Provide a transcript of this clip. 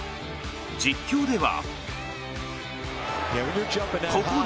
実況では。